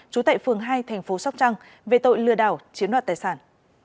trú tại phường hai thành phố sóc trăng về tội lừa đảo chiếm đoạt tài sản